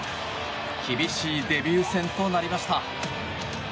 厳しいデビュー戦となりました。